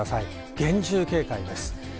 厳重警戒です。